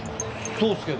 そうっすけど。